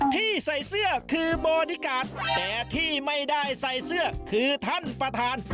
ที่ใส่เสื้อคือบอดี้การ์ดแต่ที่ไม่ได้ใส่เสื้อคือท่านประธาน